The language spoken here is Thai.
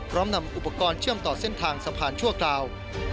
พร้อมนำอุปกรณ์เชื่อมต่อเส้นทางสะพานชั่วคราว